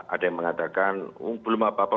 ada yang mengatakan belum apa apa